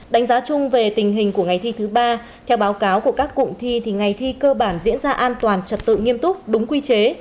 đánh giá chung về tình hình của ngày thi thứ ba theo báo cáo của các cụm thi ngày thi cơ bản diễn ra an toàn trật tự nghiêm túc đúng quy chế